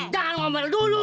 jangan ngomel dulu